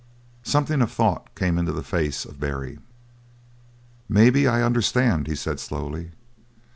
Something of thought came in the face of Barry. "Maybe I understand," he said slowly.